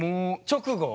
直後？